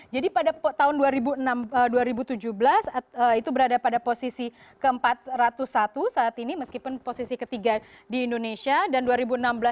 jadi pada tahun dua ribu tujuh belas itu berada pada posisi ke empat ratus satu saat ini meskipun posisi ketiga di indonesia dan dua ribu enam belas di empat ratus tiga puluh satu